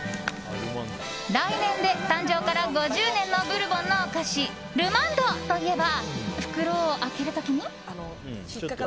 来年で誕生から５０年のブルボンのお菓子ルマンドといえば袋を開ける時に。